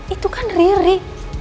itu kan riri